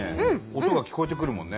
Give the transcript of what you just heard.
音が聞こえてくるもんね。